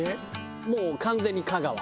もう完全に香川。